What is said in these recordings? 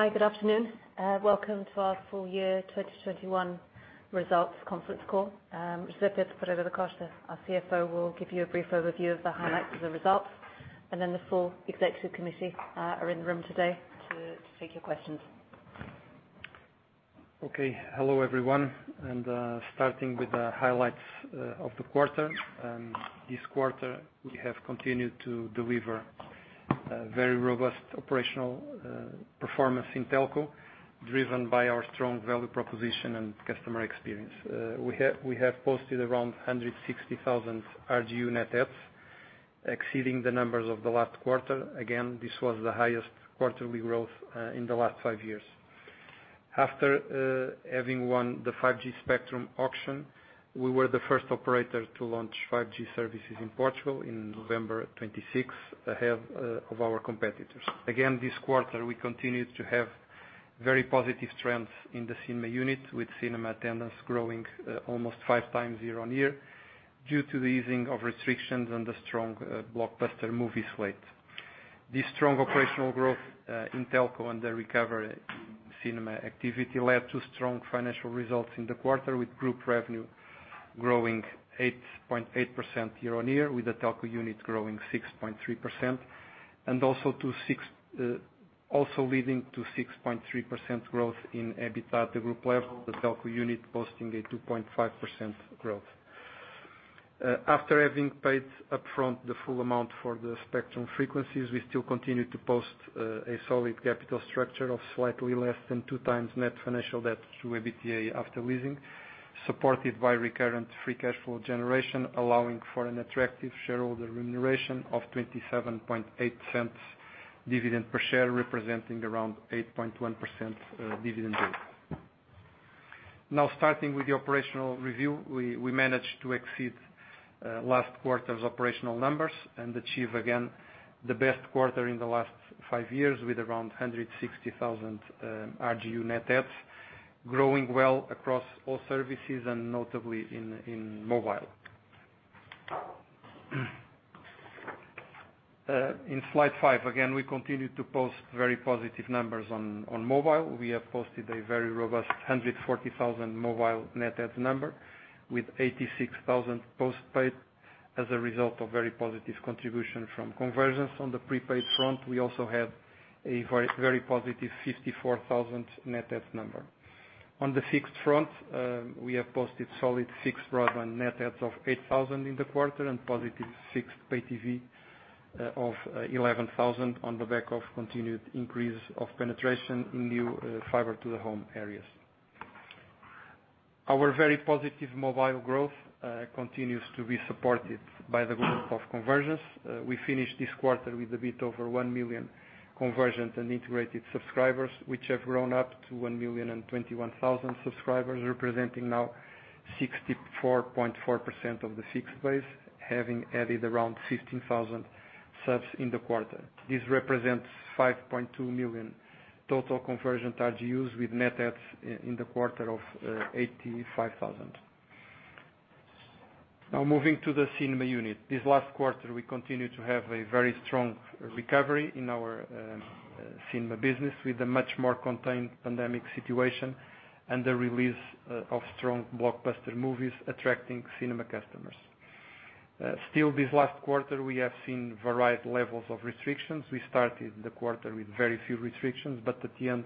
Hi, good afternoon. Welcome to our full year 2021 results conference call. José Pedro Pereira da Costa, our CFO, will give you a brief overview of the highlights of the results, then the full executive committee are in the room today to take your questions. Okay. Hello everyone, starting with the highlights of the quarter. This quarter, we have continued to deliver very robust operational performance in telco, driven by our strong value proposition and customer experience. We have posted around 160,000 RGU net adds, exceeding the numbers of the last quarter. Again, this was the highest quarterly growth in the last five years. After having won the 5G spectrum auction, we were the first operator to launch 5G services in Portugal in November 26, ahead of our competitors. Again, this quarter, we continued to have very positive trends in the cinema unit, with cinema attendance growing almost 5x year-on-year, due to the easing of restrictions and the strong blockbuster movie slate. This strong operational growth in telco and the recovery in cinema activity led to strong financial results in the quarter, with group revenue growing 8.8% year-on-year, with the telco unit growing 6.3%. Also leading to 6.3% growth in EBITDA at group level, with telco unit posting a 2.5% growth. After having paid up front the full amount for the spectrum frequencies, we still continue to post a solid capital structure of slightly less than 2x net financial debt to EBITDA after leasing, supported by recurrent free cash flow generation, allowing for an attractive shareholder remuneration of 0.278 dividend per share, representing around 8.1% dividend yield. Now, starting with the operational review. We managed to exceed last quarter's operational numbers and achieve again the best quarter in the last five years, with around 160,000 RGU net adds, growing well across all services and notably in mobile. In slide 5, again, we continued to post very positive numbers on mobile. We have posted a very robust 140,000 mobile net add number, with 86,000 postpaid as a result of very positive contribution from convergence. On the prepaid front, we also had a very positive 54,000 net add number. On the fixed front, we have posted solid fixed broadband net adds of 8,000 in the quarter and positive fixed Pay TV of 11,000 on the back of continued increase of penetration in new fiber to the home areas. Our very positive mobile growth continues to be supported by the growth of convergence. We finished this quarter with a bit over 1 million convergent and integrated subscribers, which have grown up to 1,021,000 subscribers, representing now 64.4% of the fixed base, having added around 15,000 subs in the quarter. This represents 5.2 million total convergent RGUs with net adds in the quarter of 85,000. Moving to the cinema unit. This last quarter, we continued to have a very strong recovery in our cinema business, with a much more contained pandemic situation and the release of strong blockbuster movies attracting cinema customers. Still this last quarter, we have seen varied levels of restrictions. We started the quarter with very few restrictions, but at the end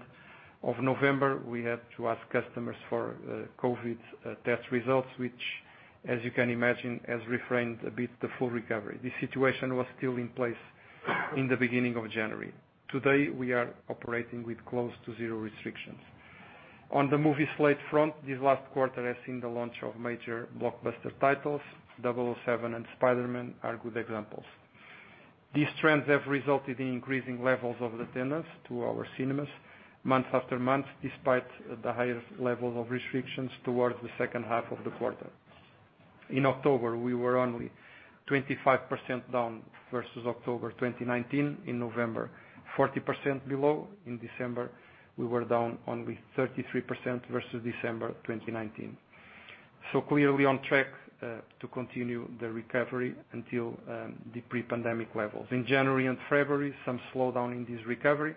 of November, we had to ask customers for COVID test results, which as you can imagine, has refrained a bit the full recovery. This situation was still in place in the beginning of January. Today, we are operating with close to zero restrictions. On the movie slate front, this last quarter has seen the launch of major blockbuster titles, Double 7 and Spider-Man are good examples. These trends have resulted in increasing levels of attendance to our cinemas month-after-month, despite the higher levels of restrictions towards the H2 of the quarter. In October, we were only 25% down versus October 2019. In November, 40% below. In December, we were down only 33% versus December 2019. Clearly on track to continue the recovery until the pre-pandemic levels. In January and February, some slowdown in this recovery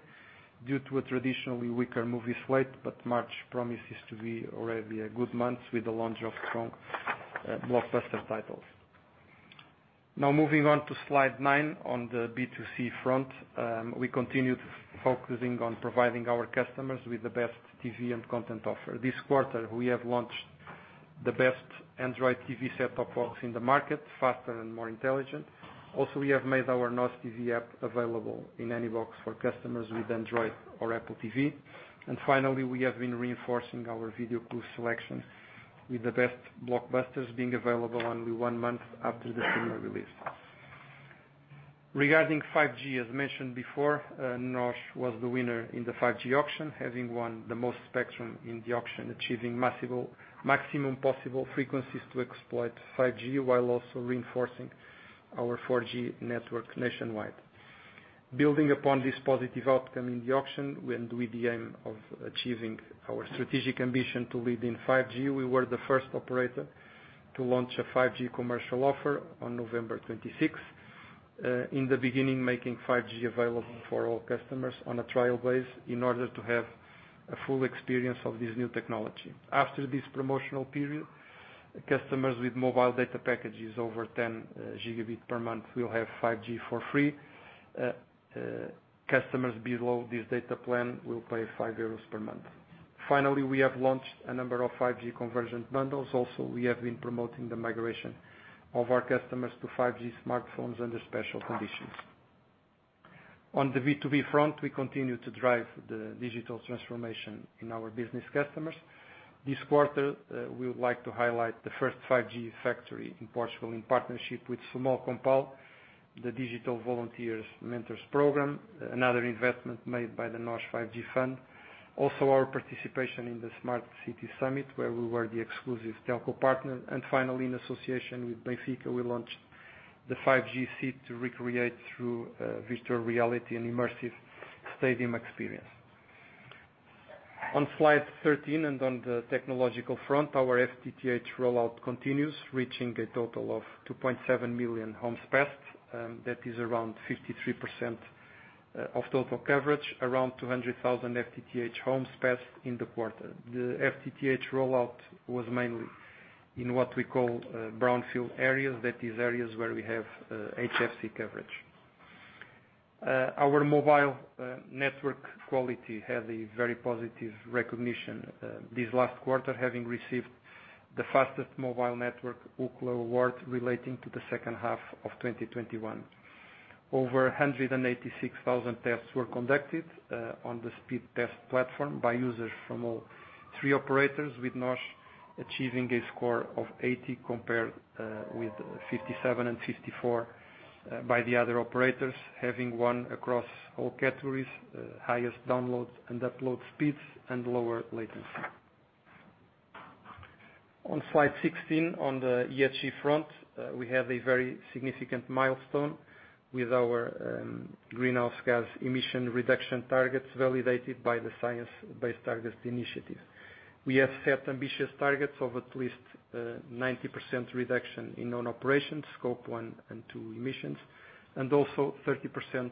due to a traditionally weaker movie slate, March promises to be already a good month with the launch of strong blockbuster titles. Moving on to slide 9, on the B2C front. We continued focusing on providing our customers with the best TV and content offer. This quarter, we have launched the best Android TV set-top box in the market, faster and more intelligent. We have made our NOS TV app available in any box for customers with Android or Apple TV. Finally, we have been reinforcing our video pool selection with the best blockbusters being available only one month after the cinema release. Regarding 5G, as mentioned before, NOS was the winner in the 5G auction, having won the most spectrum in the auction, achieving maximum possible frequencies to exploit 5G, while also reinforcing our 4G networks nationwide. Building upon this positive outcome in the auction and with the aim of achieving our strategic ambition to lead in 5G, we were the first operator to launch a 5G commercial offer on November 26th. In the beginning, making 5G available for all customers on a trial basis in order to have a full experience of this new technology. After this promotional period, customers with mobile data packages over 10 GB per month will have 5G for free. Customers below this data plan will pay 5 euros per month. We have launched a number of 5G convergent bundles. We have been promoting the migration of our customers to 5G smartphones under special conditions. On the B2B front, we continue to drive the digital transformation in our business customers. This quarter, we would like to highlight the first 5G factory in Portugal in partnership with Sumol+Compal, the Digital Volunteers Mentors program, another investment made by the NOS 5G Fund. Also our participation in the Smart City Summit, where we were the exclusive telco partner. Finally, in association with Benfica, we launched the 5G seat to recreate, through virtual reality, an immersive stadium experience. On slide 13, on the technological front, our FTTH rollout continues, reaching a total of 2.7 million homes passed. That is around 53% of total coverage. Around 200,000 FTTH homes passed in the quarter. The FTTH rollout was mainly in what we call brownfield areas. That is areas where we have HFC coverage. Our mobile network quality had a very positive recognition this last quarter, having received the fastest mobile network Ookla Award relating to the H2 of 2021. Over 186,000 tests were conducted on the speed test platform by users from all three operators, with NOS achieving a score of 80 compared with 57 and 54 by the other operators, having won across all categories, highest download and upload speeds, and lower latency. On slide 16, on the ESG front, we have a very significant milestone with our greenhouse gas emission reduction targets validated by the Science Based Targets initiative. We have set ambitious targets of at least 90% reduction in own operations, Scope 1 and 2 emissions, and also 30%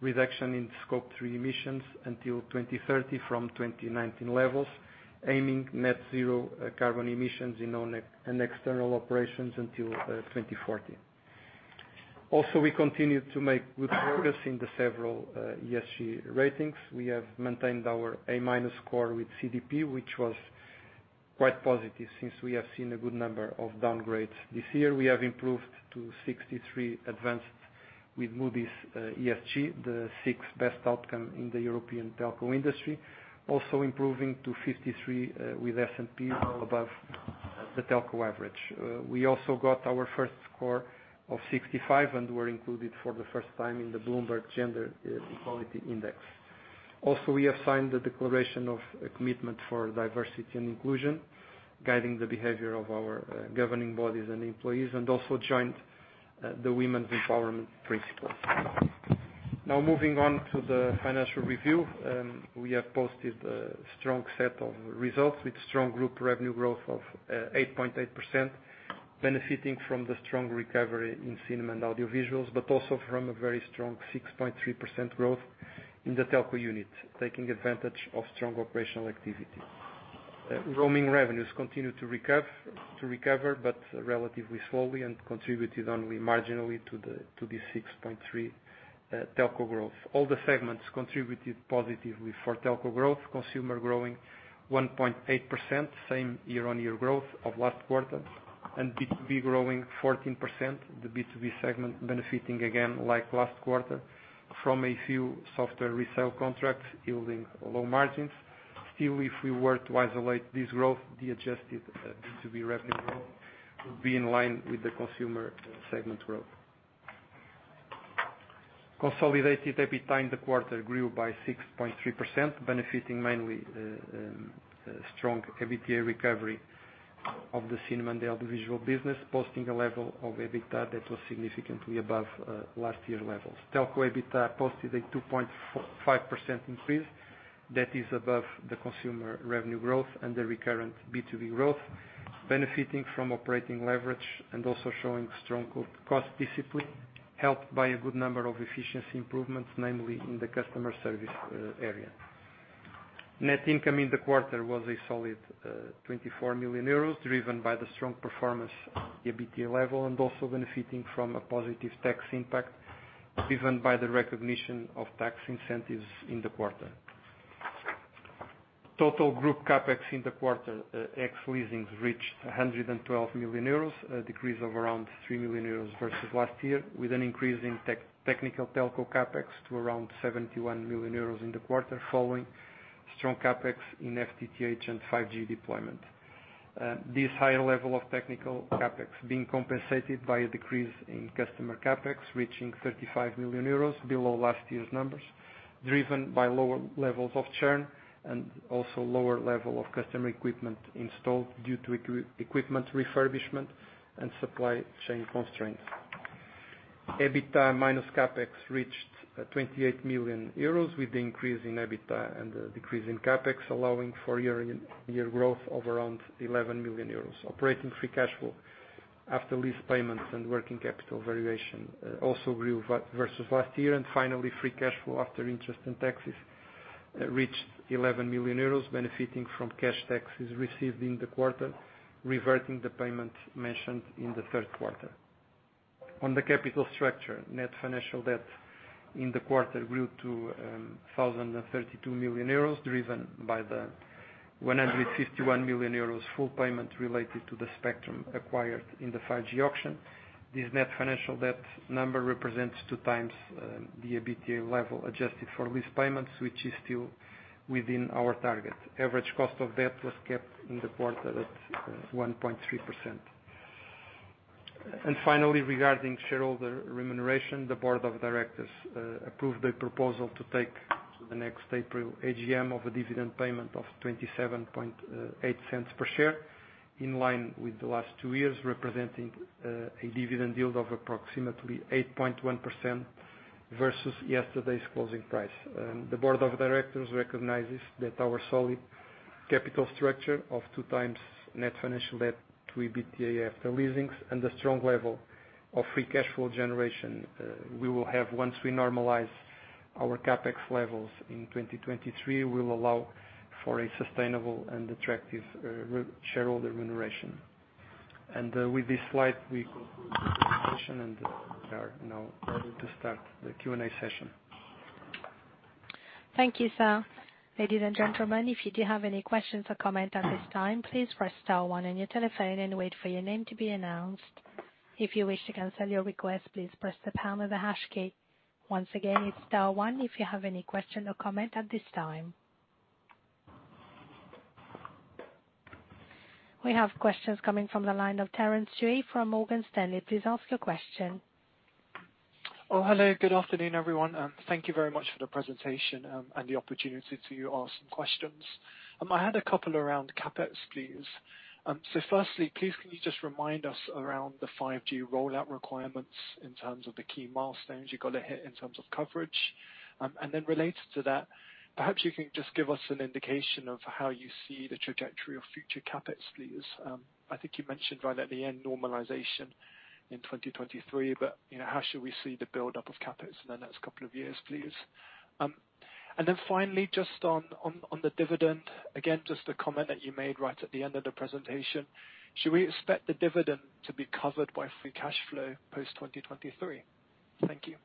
reduction in Scope 3 emissions until 2030 from 2019 levels, aiming net zero carbon emissions in own and external operations until 2040. We continue to make good progress in the several ESG ratings. We have maintained our A-minus score with CDP, which was quite positive since we have seen a good number of downgrades this year. We have improved to 63 advanced with Moody's ESG, the sixth best outcome in the European telco industry. Also improving to 53 with S&P, well above the telco average. We also got our first score of 65 and were included for the first time in the Bloomberg Gender-Equality Index. We have signed the declaration of a commitment for diversity and inclusion, guiding the behavior of our governing bodies and employees, and also joined the Women's Empowerment Principles. Moving on to the financial review. We have posted a strong set of results with strong group revenue growth of 8.8%, benefiting from the strong recovery in cinema and audiovisuals, but also from a very strong 6.3% growth in the telco unit, taking advantage of strong operational activity. Roaming revenues continue to recover, but relatively slowly and contributed only marginally to the 6.3% telco growth. All the segments contributed positively for telco growth. Consumer growing 1.8%, same year-on-year growth of last quarter, and B2B growing 14%. The B2B segment benefiting again, like last quarter, from a few software resale contracts yielding low margins. Still, if we were to isolate this growth, the adjusted B2B revenue growth would be in line with the consumer segment growth. Consolidated EBITDA in the quarter grew by 6.3%, benefiting mainly strong EBITDA recovery of the cinema and the audiovisual business, posting a level of EBITDA that was significantly above last year's levels. Telco EBITDA posted a 2.5% increase that is above the consumer revenue growth and the recurrent B2B growth, benefiting from operating leverage and also showing strong cost discipline helped by a good number of efficiency improvements, namely in the customer service area. Net income in the quarter was a solid 24 million euros, driven by the strong performance of the EBITDA level and also benefiting from a positive tax impact driven by the recognition of tax incentives in the quarter. Total group CapEx in the quarter, ex-leasings, reached 112 million euros, a decrease of around 3 million euros versus last year, with an increase in technical telco CapEx to around 71 million euros in the quarter following strong CapEx in FTTH and 5G deployment. This higher level of technical CapEx being compensated by a decrease in customer CapEx, reaching 35 million euros below last year's numbers, driven by lower levels of churn and also lower level of customer equipment installed due to equipment refurbishment and supply chain constraints. EBITDA minus CapEx reached 28 million euros with the increase in EBITDA and the decrease in CapEx, allowing for year-on-year growth of around 11 million euros. Operating free cash flow after lease payments and working capital valuation also grew versus last year. Finally, free cash flow after interest and taxes reached 11 million euros, benefiting from cash taxes received in the quarter, reverting the payment mentioned in Q3. On the capital structure, net financial debt in the quarter grew to 1,032 million euros, driven by the 151 million euros full payment related to the spectrum acquired in the 5G auction. This net financial debt number represents two times the EBITDA level adjusted for lease payments, which is still within our target. Average cost of debt was kept in the quarter at 1.3%. Finally, regarding shareholder remuneration, the board of directors approved a proposal to take to the next April AGM of a dividend payment of 0.278 per share, in line with the last two years, representing a dividend yield of approximately 8.1% versus yesterday's closing price. The board of directors recognizes that our solid capital structure of two times net financial debt to EBITDA after leasings and the strong level of free cash flow generation we will have once we normalize our CapEx levels in 2023, will allow for a sustainable and attractive shareholder remuneration. With this slide, we conclude the presentation and are now ready to start the Q&A session. Thank you, sir. Ladies and gentlemen, if you do have any questions or comments at this time, please press star one on your telephone and wait for your name to be announced. If you wish to cancel your request, please press the pound or the hash key. Once again, it's star one if you have any question or comment at this time. We have questions coming from the line of Terence Tsui from Morgan Stanley. Please ask your question. Oh, hello. Good afternoon, everyone. Thank you very much for the presentation and the opportunity to ask some questions. I had a couple around CapEx, please. Firstly, please, can you just remind us around the 5G rollout requirements in terms of the key milestones you've got to hit in terms of coverage? Related to that, perhaps you can just give us an indication of how you see the trajectory of future CapEx, please. I think you mentioned right at the end normalization in 2023, how should we see the buildup of CapEx in the next couple of years, please? Finally, just on the dividend. Again, just a comment that you made right at the end of the presentation. Should we expect the dividend to be covered by free cash flow post 2023? Thank you.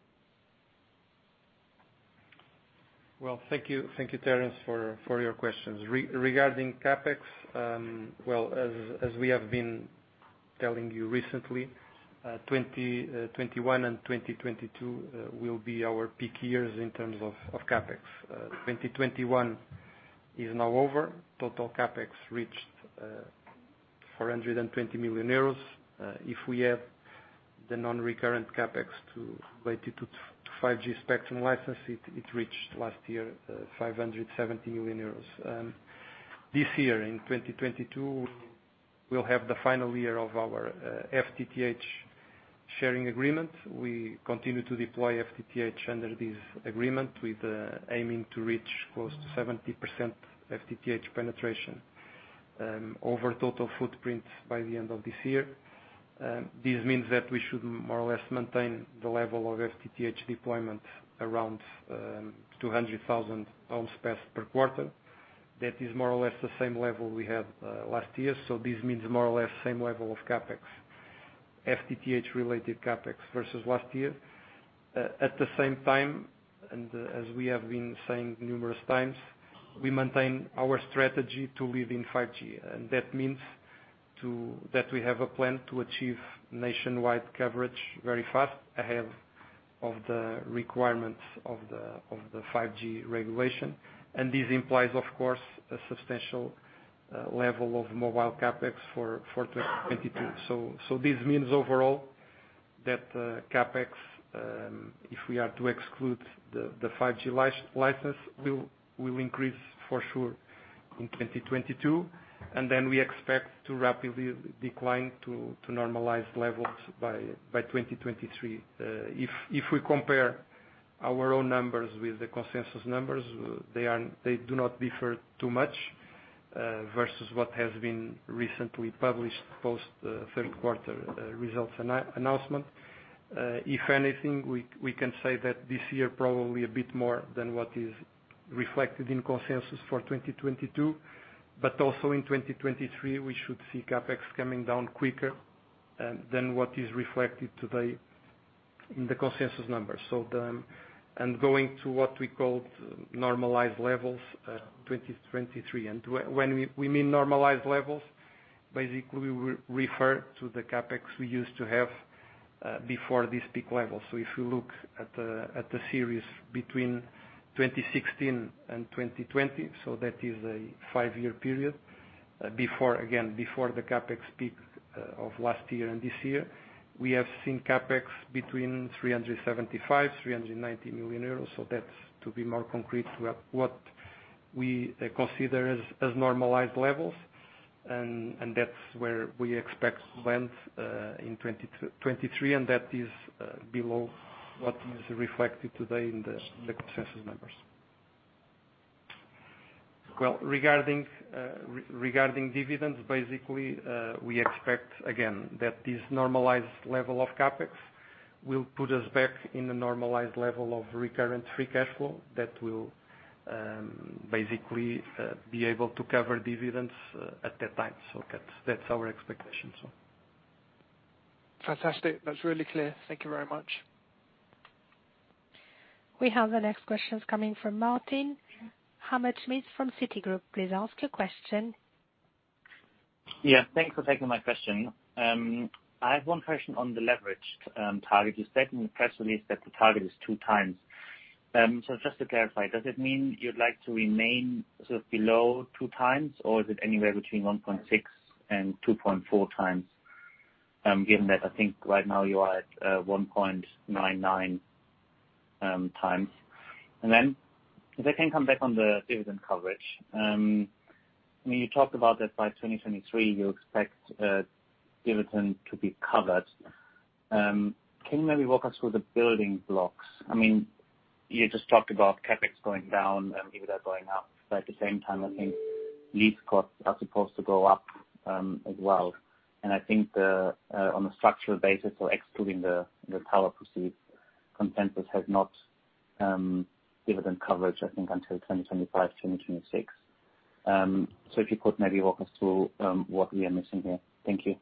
Well, thank you. Thank you, Terence, for your questions. Regarding CapEx, well, as we have been telling you recently, 2021 and 2022 will be our peak years in terms of CapEx. 2021 is now over. Total CapEx reached 420 million euros. If we add the non-recurrent CapEx related to 5G spectrum license, it reached last year 570 million euros. This year, in 2022, we'll have the final year of our FTTH sharing agreement. We continue to deploy FTTH under this agreement with aiming to reach close to 70% FTTH penetration over total footprint by the end of this year. This means that we should more or less maintain the level of FTTH deployment around 200,000 homes passed per quarter. That is more or less the same level we had last year. This means more or less same level of CapEx, FTTH related CapEx versus last year. At the same time, as we have been saying numerous times, we maintain our strategy to live in 5G. That means that we have a plan to achieve nationwide coverage very fast ahead of the requirements of the 5G regulation. This implies, of course, a substantial level of mobile CapEx for 2022. This means overall that CapEx, if we are to exclude the 5G license, will increase for sure in 2022. We expect to rapidly decline to normalized levels by 2023. If we compare our own numbers with the consensus numbers, they do not differ too much versus what has been recently published post third quarter results announcement. If anything, we can say that this year probably a bit more than what is reflected in consensus for 2022, also in 2023, we should see CapEx coming down quicker than what is reflected today in the consensus numbers. Going to what we call normalized levels, 2023. When we mean normalized levels, basically we refer to the CapEx we used to have before this peak level. If you look at the series between 2016 and 2020, so that is a five-year period. Again, before the CapEx peak of last year and this year. We have seen CapEx between 375 million-390 million euros. That's to be more concrete, what we consider as normalized levels. That's where we expect to land in 2023. That is below what is reflected today in the consensus numbers. Regarding dividends, basically, we expect, again, that this normalized level of CapEx will put us back in a normalized level of recurrent free cash flow that will basically be able to cover dividends at that time. That's our expectation. Fantastic. That's really clear. Thank you very much. We have the next questions coming from Martin Hammerschmidt from Citigroup. Please ask your question. Thanks for taking my question. I have one question on the leverage target. You said in the press release that the target is 2x. Just to clarify, does it mean you'd like to remain sort of below 2x, or is it anywhere between 1.6x and 2.4x, given that I think right now you are at 1.99x? Then if I can come back on the dividend coverage. When you talked about that by 2023 you expect dividend to be covered, can you maybe walk us through the building blocks? You just talked about CapEx going down and EBITDA going up. At the same time, I think lease costs are supposed to go up as well. I think on a structural basis or excluding the tower proceeds, consensus has not dividend coverage, I think, until 2025, 2026. If you could maybe walk us through what we are missing here. Thank you.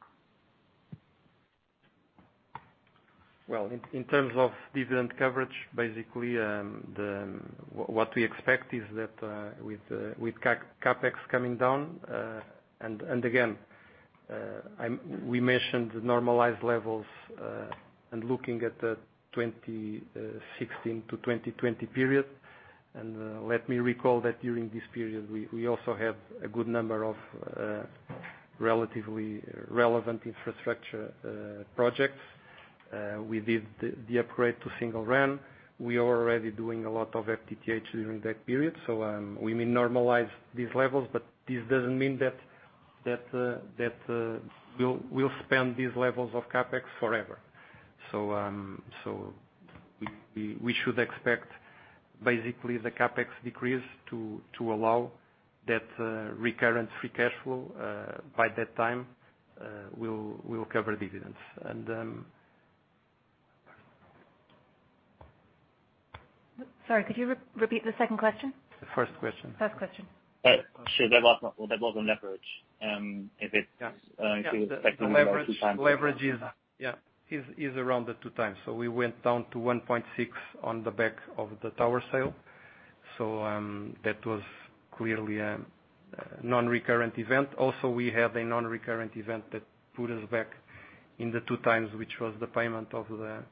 Well, in terms of dividend coverage, what we expect is that with CapEx coming down. Again, we mentioned the normalized levels and looking at the 2016 to 2020 period. Let me recall that during this period, we also have a good number of relatively relevant infrastructure projects. We did the upgrade to SingleRAN. We are already doing a lot of FTTH during that period. We may normalize these levels, but this doesn't mean that we'll spend these levels of CapEx forever. We should expect the CapEx decrease to allow that recurrent free cash flow by that time will cover dividends. Sorry, could you repeat the second question? The first question. First question. Sure. That was on leverage. Yeah. You expect the leverage 2x. Yeah. Leverage is around the 2x. We went down to 1.6x on the back of the tower sale. That was clearly a non-recurrent event. Also, we have a non-recurrent event that put us back in the 2x, which was the payment of the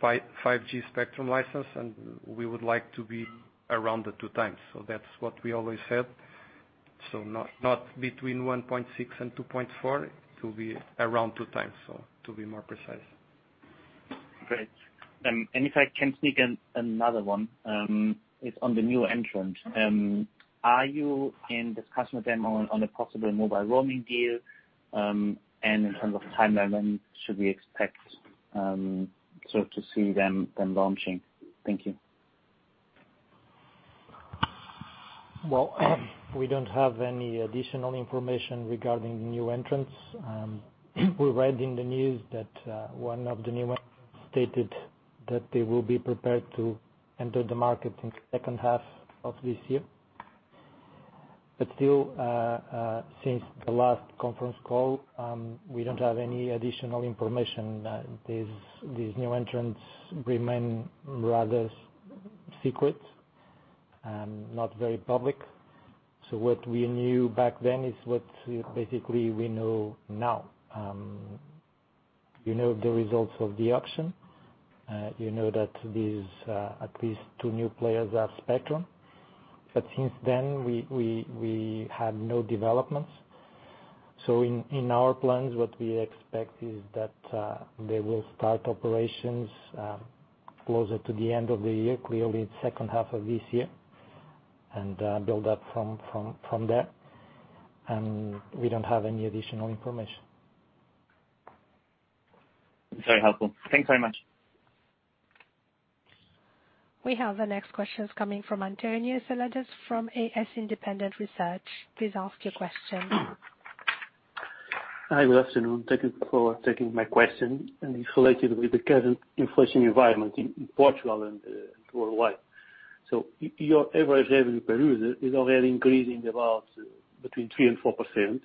5G spectrum license, and we would like to be around the 2x. That's what we always said. Not between 1.6x and 2.4x, to be around 2x, so to be more precise. Great. If I can sneak in another one, it is on the new entrant. Are you in discussion with them on a possible mobile roaming deal? In terms of timeline, when should we expect to see them launching? Thank you. We don't have any additional information regarding the new entrants. We are reading the news that one of the new entrants stated that they will be prepared to enter the market in H2 of this year. Still, since the last conference call, we don't have any additional information. These new entrants remain rather secret, not very public. What we knew back then is what basically we know now. You know the results of the auction. You know that these at least two new players have spectrum. Since then, we had no developments. In our plans, what we expect is that they will start operations closer to the end of the year, clearly the H2 of this year, and build up from there. We don't have any additional information. Very helpful. Thanks very much. We have the next questions coming from António Seladas from AS Independent Research. Please ask your question. Hi. Good afternoon. Thank you for taking my question. It's related with the current inflation environment in Portugal and worldwide. Your average revenue per user is already increasing about between 3% and 4%,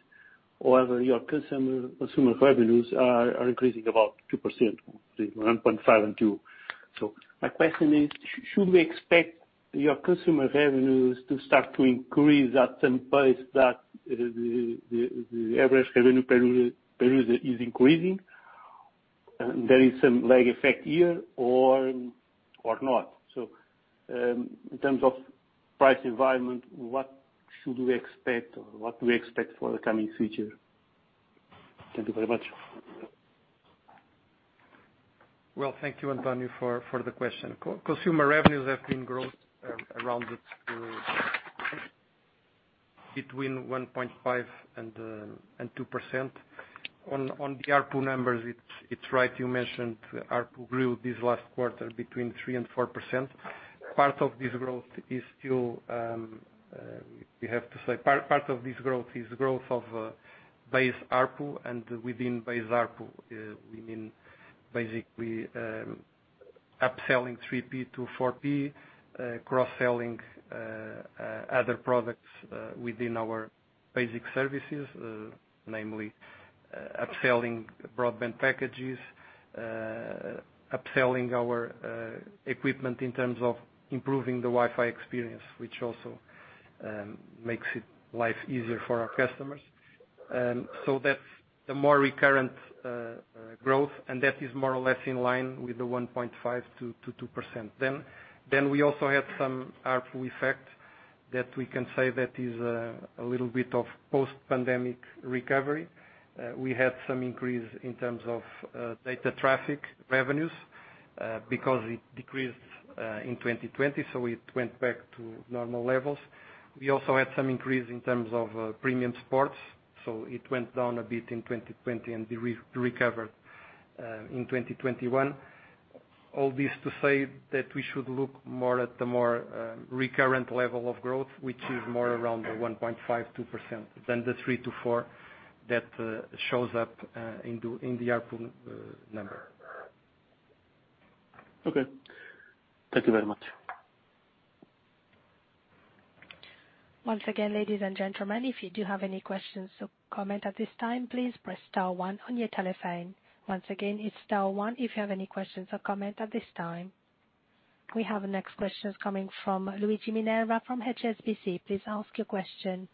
or your consumer revenues are increasing about 2%, between 1.5% and 2%. My question is, should we expect your consumer revenues to start to increase at the same pace that the average revenue per user is increasing? There is some lag effect here or not. In terms of price environment, what should we expect, or what do we expect for the coming future? Thank you very much. Well, thank you, António, for the question. Consumer revenues have been growing around between 1.5% and 2%. On the ARPU numbers, it's right, you mentioned ARPU grew this last quarter between 3% and 4%. Part of this growth is growth of base ARPU and within base ARPU, we mean basically upselling 3P to 4P, cross-selling other products within our basic services. Namely, upselling broadband packages, upselling our equipment in terms of improving the Wi-Fi experience, which also makes life easier for our customers. That's the more recurrent growth, and that is more or less in line with the 1.5%-2%. We also had some ARPU effect that we can say that is a little bit of post-pandemic recovery. We had some increase in terms of data traffic revenues because it decreased in 2020. It went back to normal levels. We also had some increase in terms of premium sports. It went down a bit in 2020 and recovered in 2021. All this to say that we should look more at the more recurrent level of growth, which is more around the 1.5%-2%, than the 3%-4% that shows up in the ARPU number. Okay. Thank you very much. Once again, ladies and gentlemen, if you do have any questions or comment at this time, please press star one on your telephone. Once again, it's star one if you have any questions or comment at this time. We have the next questions coming from Luigi Minerva from HSBC. Please ask your question.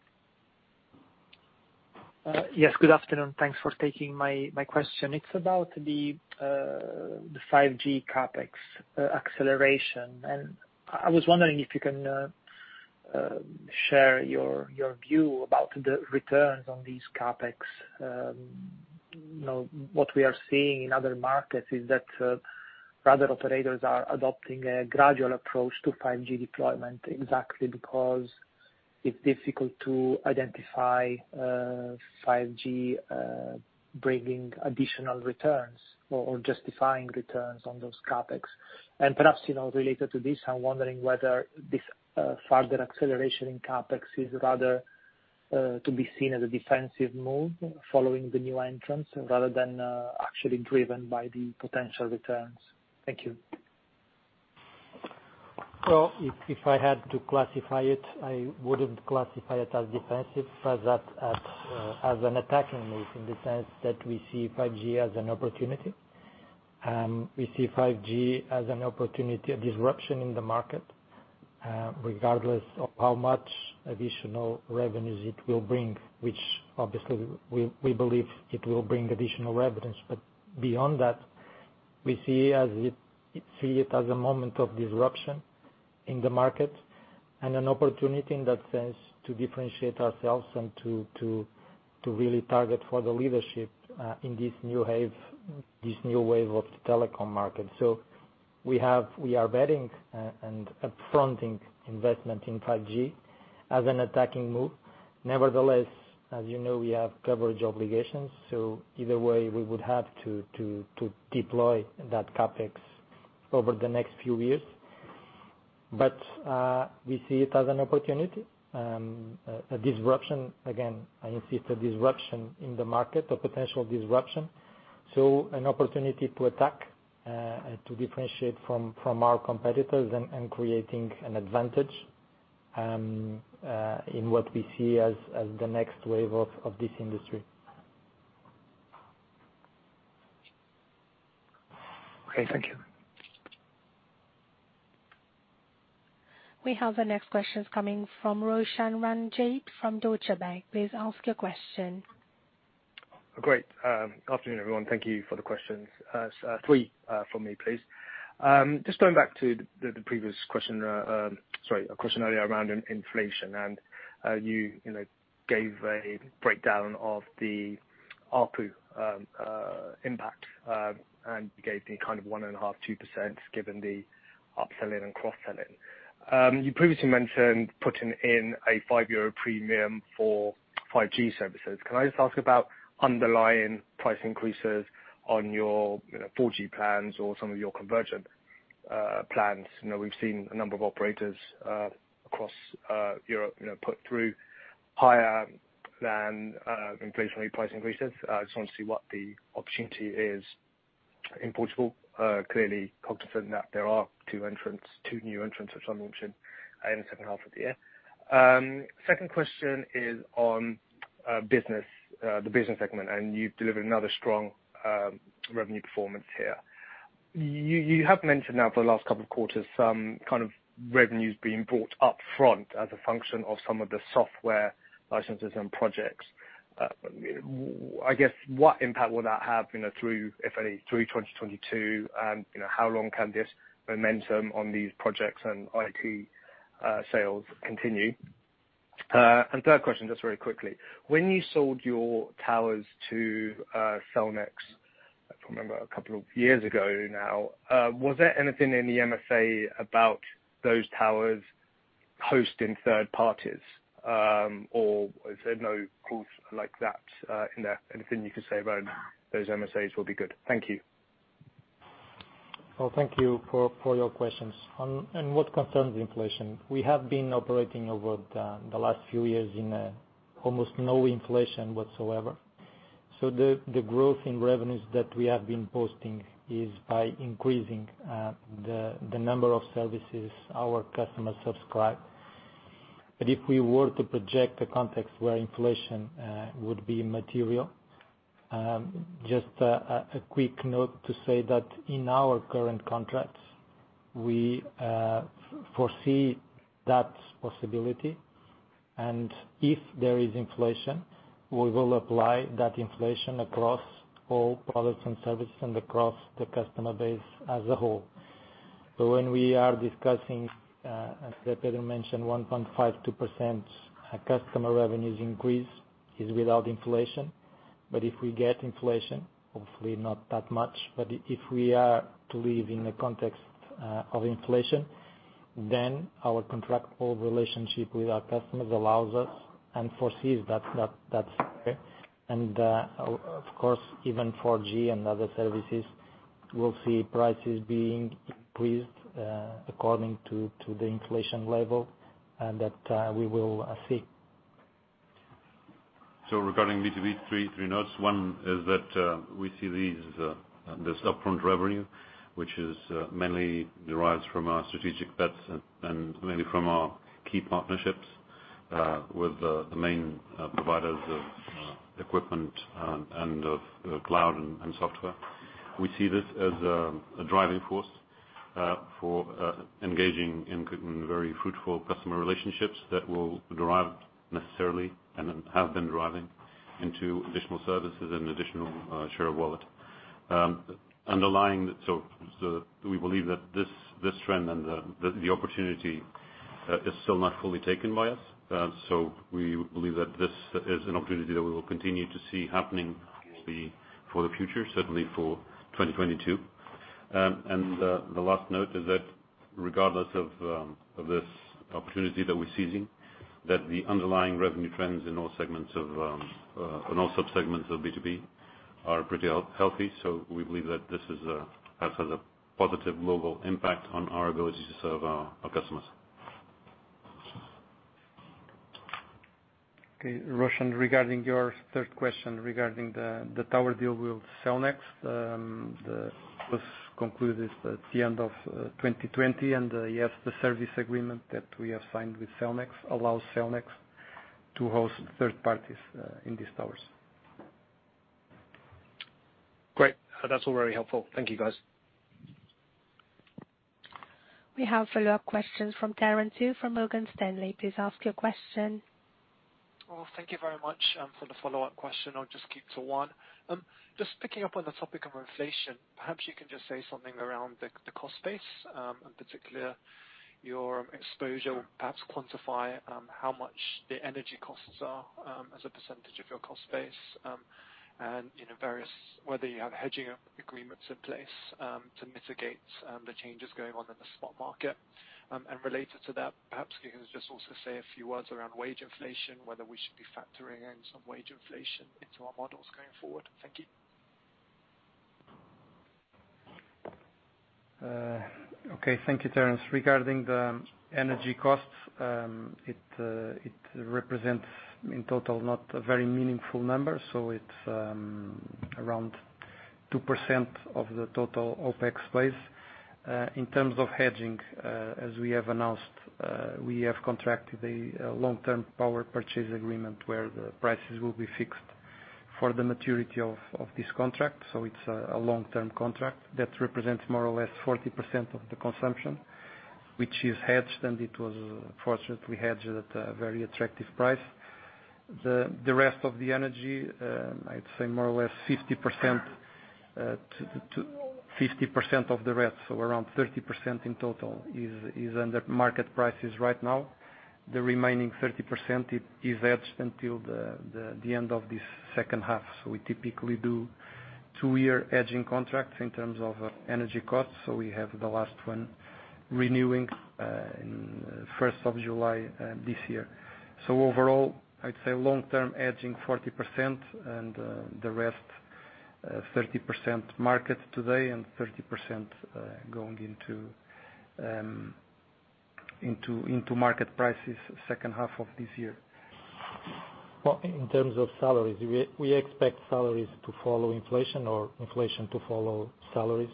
Yes, good afternoon. Thanks for taking my question. It's about the 5G CapEx acceleration. I was wondering if you can share your view about the returns on these CapEx. What we are seeing in other markets is that other operators are adopting a gradual approach to 5G deployment, exactly because it's difficult to identify 5G bringing additional returns or justifying returns on those CapEx. Perhaps, related to this, I'm wondering whether this further acceleration in CapEx is rather to be seen as a defensive move following the new entrants rather than actually driven by the potential returns. Thank you. If I had to classify it, I wouldn't classify it as defensive as an attacking move in the sense that we see 5G as an opportunity. We see 5G as an opportunity, a disruption in the market, regardless of how much additional revenues it will bring, which obviously we believe it will bring additional revenues, but beyond that, we see it as a moment of disruption in the market and an opportunity in that sense to differentiate ourselves and to really target for the leadership in this new wave of the telecom market. We are betting and up-fronting investment in 5G as an attacking move. Nevertheless, as you know, we have coverage obligations, so either way, we would have to deploy that CapEx over the next few years. We see it as an opportunity, a disruption. Again, I insist, a disruption in the market, a potential disruption. It is an opportunity to attack, to differentiate from our competitors and creating an advantage in what we see as the next wave of this industry. Okay, thank you. We have the next questions coming from Roshan Ranjit from Deutsche Bank. Please ask your question. Great. Afternoon, everyone. Thank you for the questions. three from me, please. Just going back to the previous question earlier around inflation, and you gave a breakdown of the ARPU impact, and you gave me 1.5%-2% given the upselling and cross-selling. You previously mentioned putting in a 5 euro premium for 5G services. Can I just ask about underlying price increases on your 4G plans or some of your convergent plans? We've seen a number of operators across Europe put through higher than inflationary price increases. I just want to see what the opportunity is in Portugal. Clearly cognizant that there are two new entrants which are launching in H2 of the year. Second question is on the business segment, and you've delivered another strong revenue performance here. You have mentioned now for the last couple of quarters, some kind of revenues being brought upfront as a function of some of the software licenses and projects. I guess, what impact will that have, if any, through 2022, and how long can this momentum on these projects and IT sales continue? Third question, just very quickly, when you sold your towers to Cellnex If I remember, a couple of years ago now. Was there anything in the MSA about those towers hosting third parties? Or is there no clause like that in there? Anything you can say about those MSAs will be good. Thank you. Well, thank you for your questions. On what concerns inflation, we have been operating over the last few years in almost no inflation whatsoever. The growth in revenues that we have been posting is by increasing the number of services our customers subscribe. If we were to project a context where inflation would be material, just a quick note to say that in our current contracts, we foresee that possibility. If there is inflation, we will apply that inflation across all products and services and across the customer base as a whole. When we are discussing, as Pedro mentioned, 1.52% customer revenues increase is without inflation. If we get inflation, hopefully not that much, but if we are to live in a context of inflation, then our contractual relationship with our customers allows us and foresees that. Of course, even 4G and other services will see prices being increased, according to the inflation level and that we will see. Regarding B2B, three notes. One is that we see this upfront revenue, which mainly derives from our strategic bets and mainly from our key partnerships, with the main providers of equipment and of cloud and software. We see this as a driving force for engaging in very fruitful customer relationships that will derive necessarily and have been deriving into additional services and additional share of wallet. We believe that this trend and the opportunity is still not fully taken by us. We believe that this is an opportunity that we will continue to see happening for the future, certainly for 2022. The last note is that regardless of this opportunity that we're seizing, that the underlying revenue trends in all subsegments of B2B are pretty healthy. We believe that this has a positive global impact on our ability to serve our customers. Okay, Roshan, regarding your third question regarding the tower deal with Cellnex, this concludes at the end of 2020. Yes, the service agreement that we have signed with Cellnex allows Cellnex to host third parties in these towers. Great. That's all very helpful. Thank you, guys. We have follow-up questions from Terence Tsui from Morgan Stanley. Please ask your question. Well, thank you very much. For the follow-up question, I'll just keep to one. Just picking up on the topic of inflation, perhaps you can just say something around the cost base, in particular your exposure, perhaps quantify how much the energy costs are as a percentage of your cost base. Whether you have hedging agreements in place to mitigate the changes going on in the stock market. Related to that, perhaps you can just also say a few words around wage inflation, whether we should be factoring in some wage inflation into our models going forward. Thank you. Okay. Thank you, Terence. Regarding the energy costs, it represents in total not a very meaningful number. It's around 2% of the total OPEX space. In terms of hedging, as we have announced, we have contracted a long-term power purchase agreement where the prices will be fixed for the maturity of this contract. It's a long-term contract that represents more or less 40% of the consumption, which is hedged, and it was fortunately hedged at a very attractive price. The rest of the energy, I'd say more or less 50% of the rest. Around 30% in total is under market prices right now. The remaining 30% is hedged until the end of this H2. We typically do two-year hedging contracts in terms of energy costs. We have the last one renewing in July 1st this year. Overall, I'd say long-term hedging 40% and the rest, 30% market today and 30% going into market prices H2 of this year. Well, in terms of salaries, we expect salaries to follow inflation or inflation to follow salaries.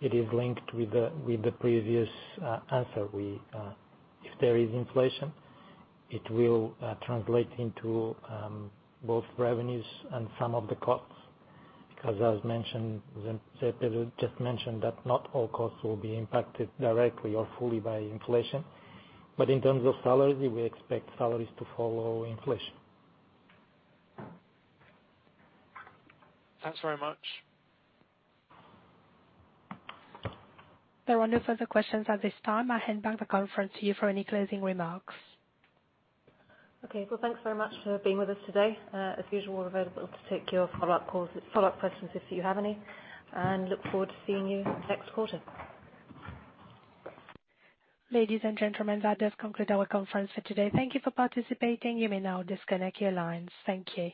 It is linked with the previous answer. If there is inflation, it will translate into both revenues and some of the costs because as José Pedro Pereira da Costa just mentioned, that not all costs will be impacted directly or fully by inflation. In terms of salaries, we expect salaries to follow inflation. Thanks very much There are no further questions at this time. I hand back the conference to you for any closing remarks. Okay. Well, thanks very much for being with us today. As usual, we're available to take your follow-up questions if you have any, and look forward to seeing you next quarter. Ladies and gentlemen, that does conclude our conference for today. Thank you for participating. You may now disconnect your lines. Thank you.